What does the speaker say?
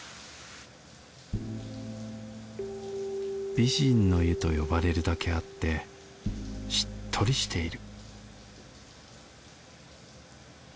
美人の湯と呼ばれるだけあってしっとりしている